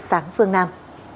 sáng phương nam